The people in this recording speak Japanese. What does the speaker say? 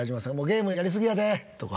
「ゲームやりすぎやで！」とか。